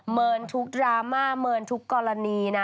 เมินทุกดราม่าเมินทุกกรณีนะ